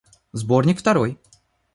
Сборник второй.